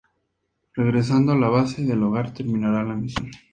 Regresando a la Base del Hogar terminará la misión.